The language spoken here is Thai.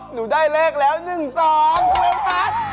หนูได้เลขแล้วหนึ่งสองทาเวลพัส